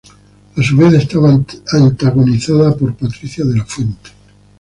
A su vez, está antagonizada por Patricia De La Fuente.